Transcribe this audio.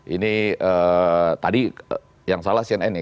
ini tadi yang salah cnn nih